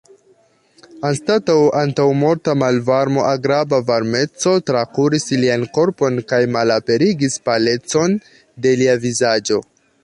Anstataŭ antaŭmorta malvarmo agrabla varmeco trakuris lian korpon kaj malaperigis palecon de lia vizaĝo.